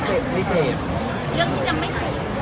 ช่องความหล่อของพี่ต้องการอันนี้นะครับ